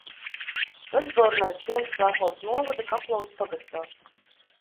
Vecborne ir ciems Krāslavas novada Kaplavas pagastā.